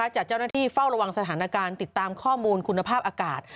จากเจ้าหน้าที่เฝ้าระวังสถานการณ์ติดตามข้อมูลคุณภาพอากาศ